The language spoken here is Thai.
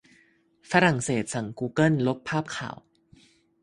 ฝรั่งเศสสั่งกูเกิลลบภาพข่าว